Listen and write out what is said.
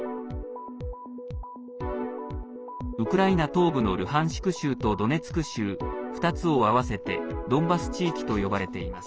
ウクライナ東部のルハンシク州とドネツク州２つを合わせてドンバス地域と呼ばれています。